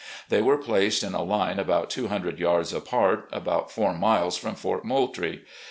They were placed in a line about two hundred yards apart, about four miles from Fort Moultrie.